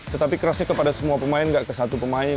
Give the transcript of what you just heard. tetapi kerasnya kepada semua pemain nggak ke satu pemain